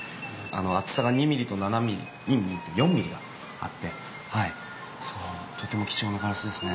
厚さが２ミリと７ミリ２ミリと４ミリがあってとても貴重なガラスですね。